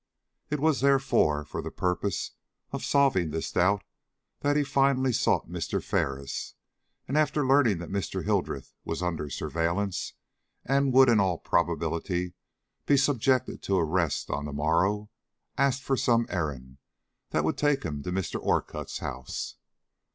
It was, therefore, for the purpose of solving this doubt, that he finally sought Mr. Ferris, and after learning that Mr. Hildreth was under surveillance, and would in all probability be subjected to arrest on the morrow, asked for some errand that would take him to Mr. Orcutt's house.